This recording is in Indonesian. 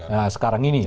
nah sekarang ini